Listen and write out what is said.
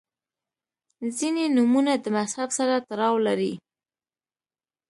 • ځینې نومونه د مذهب سره تړاو لري.